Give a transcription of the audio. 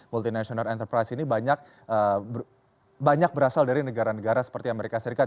multinational enterprise ini banyak berasal dari negara negara seperti amerika serikat